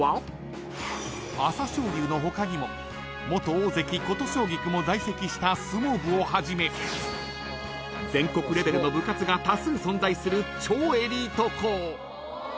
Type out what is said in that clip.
［朝青龍の他にも元大関琴奨菊も在籍した相撲部をはじめ全国レベルの部活が多数存在する超エリート校］